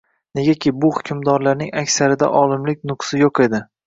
Negaki, bu hukmdorlarning aksarida olimlik nuqsi yo‘q edi